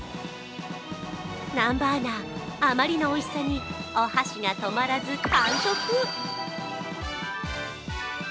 南波アナ、あまりのおいしさに、お箸が止まらす完食。